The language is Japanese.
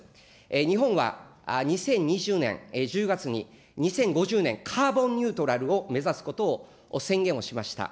日本は２０２０年１０月に、２０５０年カーボンニュートラルを目指すことを宣言をしました。